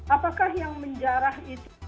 apakah yang menjarah itu